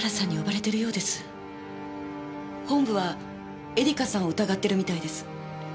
本部は絵梨華さんを疑ってるみたいです。